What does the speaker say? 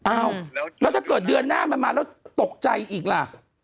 อ้าวแล้วถ้าเกิดเดือนหน้ามันมาแล้วตกใจอีกล่ะ